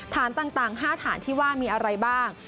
ฐานต่าง๕ฐานที่ว่ามีอะไรบ้าง